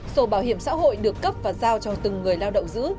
sổ bảo hiểm xã hội được cấp và giao cho từng người lao động giữ